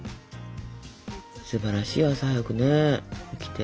すばらしいよ朝早くね起きて。